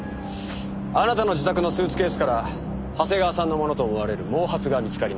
あなたの自宅のスーツケースから長谷川さんのものと思われる毛髪が見つかりました。